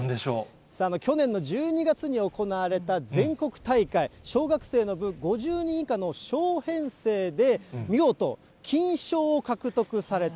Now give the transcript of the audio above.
去年の１２月に行われた全国大会・小学生の部、５０人以下の小編成で、見事、すごいね。